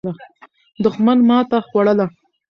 دښمن ماته خوړله.